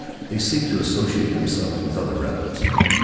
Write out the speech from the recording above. They seek to associate themselves with other rebels.